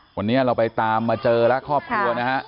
วันนี้เราไปตามมาเจอแล้วครอบครัวนะฮะ